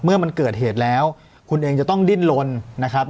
เมื่อมันเกิดเหตุแล้วคุณเองจะต้องดิ้นลนนะครับ